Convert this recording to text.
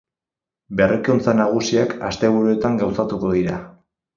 Berrikuntza nagusiak asteburuetan gauzatuko dira.